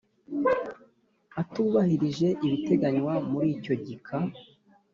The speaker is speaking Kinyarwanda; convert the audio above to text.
Atubahirije ibiteganywa muri icyo gika